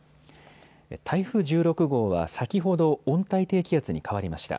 台風１６号は先ほど温帯低気圧に変わりました。